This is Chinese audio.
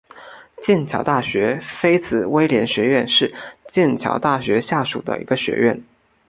剑桥大学菲茨威廉学院是剑桥大学下属的一个学院。